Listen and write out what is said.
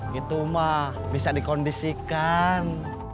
gitu mah bisa dikondisikan